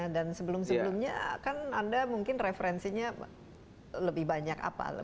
dan sebelum sebelumnya kan anda mungkin referensinya lebih banyak apa